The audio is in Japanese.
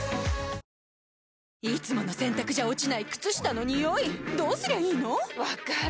いつもの洗たくじゃ落ちない靴下のニオイどうすりゃいいの⁉分かる。